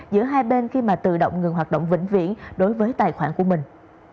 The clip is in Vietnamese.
giữa hai bên khi mà tự động ngừng hoạt động vĩnh viễn đối với tài khoản của mình